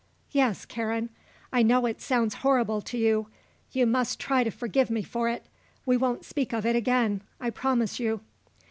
"Yes, Karen. I know it sounds horrible to you. You must try to forgive me for it. We won't speak of it again; I promise you."